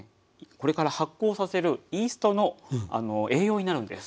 これから発酵をさせるイーストの栄養になるんです。